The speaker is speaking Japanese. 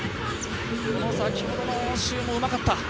先ほどの王思雨もうまかった。